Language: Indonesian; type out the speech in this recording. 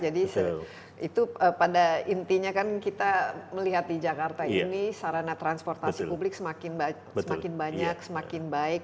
jadi itu pada intinya kan kita melihat di jakarta ini sarana transportasi publik semakin banyak semakin baik